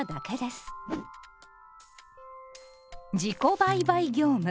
自己売買業務。